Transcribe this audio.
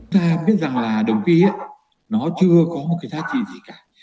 ta biết rằng là đồng pi nó chưa có cái giá trị gì cả